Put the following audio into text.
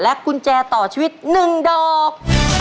กุญแจต่อชีวิต๑ดอก